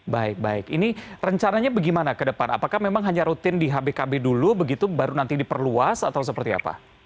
baik baik ini rencananya bagaimana ke depan apakah memang hanya rutin di hbkb dulu begitu baru nanti diperluas atau seperti apa